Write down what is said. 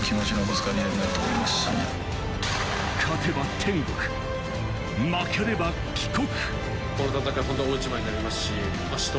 勝てば天国、負ければ帰国。